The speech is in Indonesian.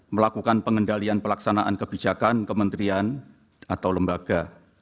melakukan pengendalian pelaksanaan kebijakan kementerian atau lembaga